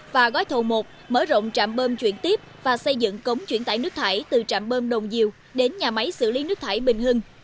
và gói thầu một mở rộng trạm bơm chuyển tiếp và xây dựng cống chuyển tải nước thải từ trạm bơm đồng diều đến nhà máy xử lý nước thải bình hưng